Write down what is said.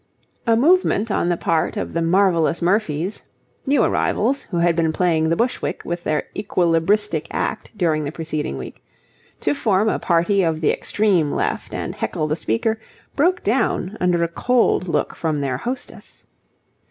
A movement on the part of the Marvellous Murphys new arrivals, who had been playing the Bushwick with their equilibristic act during the preceding week to form a party of the extreme left and heckle the speaker, broke down under a cold look from their hostess.